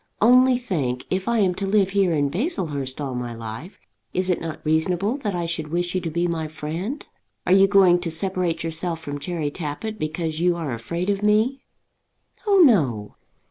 Only think; if I am to live here in Baslehurst all my life, is it not reasonable that I should wish you to be my friend? Are you going to separate yourself from Cherry Tappitt because you are afraid of me?" "Oh, no."